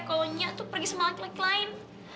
kalau nyatu pergi sama laki laki lain